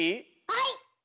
はい！